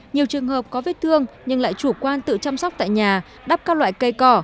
nhiều trường hợp có vết thương nhưng lại chủ quan tự chăm sóc tại nhà đắp các loại cây cỏ